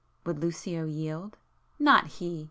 would Lucio yield? Not he!